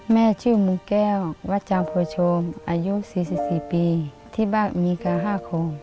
แม่ชื่อมุงแก้ววัชจังพวชมอายุ๔๔ปีที่บ้านมีกาฮ่าโคม